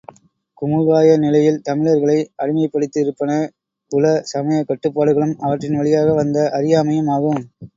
குமுகாய நிலையில் தமிழர்களை அடிமைப்படுத்தியிருப்பன குல, சமயக் கட்டுப்பாடுகளும் அவற்றின் வழியாக வந்த அறியாமையும் ஆகும்.